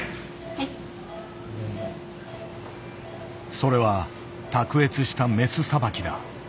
それは卓越したメスさばきだ。